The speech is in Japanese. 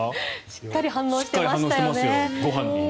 しっかり反応していますよ、ご飯。